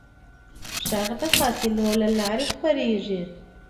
غږ د فاصلو له لارې خپرېږي.